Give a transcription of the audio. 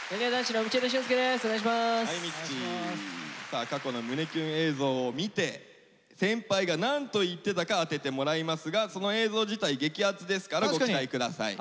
さあ過去の胸キュン映像を見て先輩が何と言ってたか当ててもらいますがその映像自体激アツですからご期待下さい。